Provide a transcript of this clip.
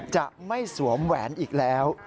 จะไม่สวมแหวนอีกแล้ว